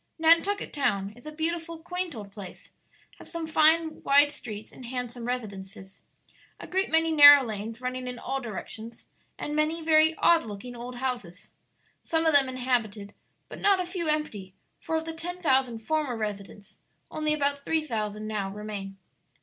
Nantucket Town is a beautiful, quaint old place; has some fine wide streets and handsome residences, a great many narrow lanes running in all directions, and many very odd looking old houses, some of them inhabited, but not a few empty; for of the ten thousand former residents only about three thousand now remain."